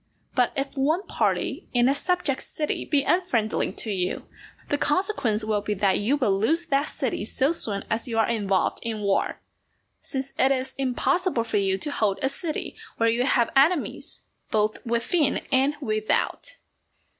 But if one party in a subject city be unfriendly to you, the consequence will be that you will lose that city so soon as you are involved in war, since it is impossible for you to hold a city where you have enemies both within and without.